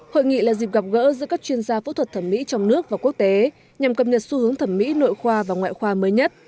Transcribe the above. hội nghị là dịp gặp gỡ giữa các chuyên gia phẫu thuật thẩm mỹ trong nước và quốc tế nhằm cập nhật xu hướng thẩm mỹ nội khoa và ngoại khoa mới nhất